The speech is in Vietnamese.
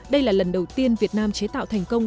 đây là lần đầu tiên việt nam chế tạo thành công